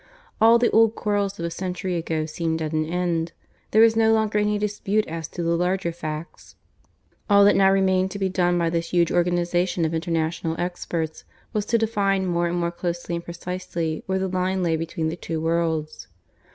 All the old quarrels of a century ago seemed at an end. There was no longer any dispute as to the larger facts. All that now remained to be done by this huge organization of international experts was to define more and more closely and precisely where the line lay between the two worlds.